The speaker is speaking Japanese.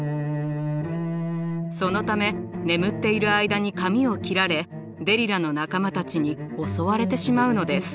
そのため眠っている間に髪を切られデリラの仲間たちに襲われてしまうのです。